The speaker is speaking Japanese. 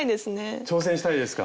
挑戦したいですか？